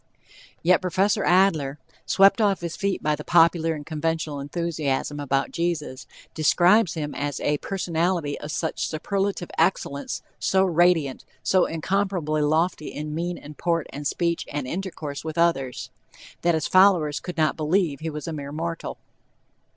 Yet Prof. Adler, swept off his feet by the popular and conventional enthusiasm about Jesus, describes him as "a personality of such superlative excellence, so radiant, so incomparably lofty in mien and port and speech and intercourse with others," that his followers could not believe he was a mere mortal.